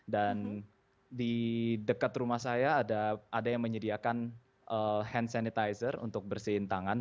dan di dekat rumah saya ada yang menyediakan hand sanitizer untuk bersihin tangan